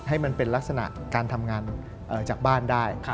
ให้มันเป็นลักษณะการทำงานจากบ้านได้